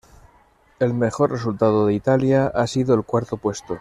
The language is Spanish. El mejor resultado de Italia ha sido el cuarto puesto.